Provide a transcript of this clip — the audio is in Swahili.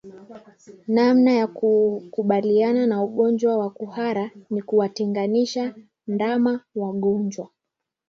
Namna ya kukabiliana na ugonjwa wa kuhara ni kuwatenganisha ndama wagonjwa